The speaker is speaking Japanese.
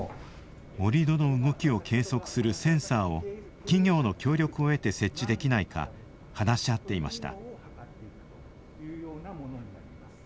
盛土の動きを計測するセンサーを企業の協力を得て設置できないか話し合っていました。